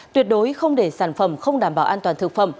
tuyệt đối không để sản phẩm không đảm bảo an toàn thực phẩm